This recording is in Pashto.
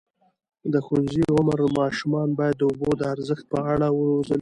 د ښوونځي عمر ماشومان باید د اوبو د ارزښت په اړه وروزل شي.